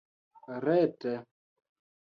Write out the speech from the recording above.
rete